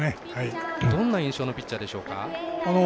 どんな印象のピッチャーでしょうか。